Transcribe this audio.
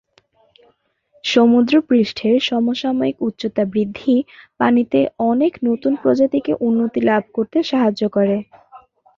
সমুদ্রপৃষ্ঠের সমসাময়িক উচ্চতা বৃদ্ধি পানিতে অনেক নতুন প্রজাতিকে উন্নতি লাভ করতে সাহায্য করে।